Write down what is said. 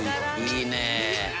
いいね！